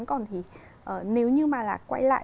còn thì nếu như mà là quay lại